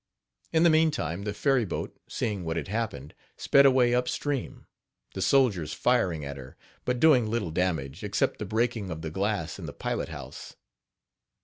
In the meantime the ferry boat, seeing what had happened, sped away up stream, the soldiers firing at her, but doing little damage, except the breaking of the glass in the pilot house.